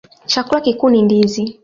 Chakula kikuu ni ndizi.